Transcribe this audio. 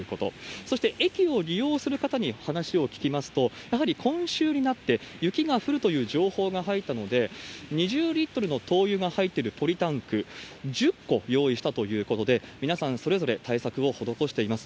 そして、駅を利用する方に話を聞きますと、やはり今週になって雪が降るという情報が入ったので、２０リットルの灯油が入っているポリタンク１０個用意したということで、皆さん、それぞれ対策を施しています。